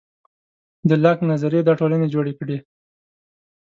د لاک نظریې دا ټولنې جوړې کړې.